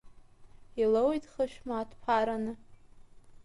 Илоуит хышә мааҭ ԥараны…